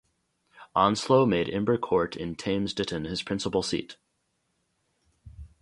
Onslow made Imber Court in Thames Ditton his principal seat.